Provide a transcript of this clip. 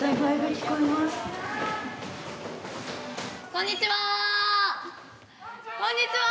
こんにちは。